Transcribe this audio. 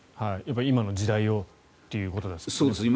今の時代をっていうことですよね。